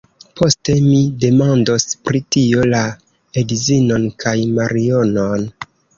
Poste mi demandos pri tio la edzinon kaj Marionon.